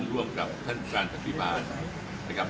ร่วมกับท่านทุกท่านศักริบาลนะครับ